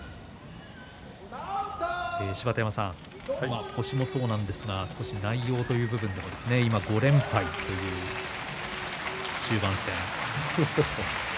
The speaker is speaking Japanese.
芝田山さん、星もそうなんですが少し内容という部分でも今５連敗という中盤戦。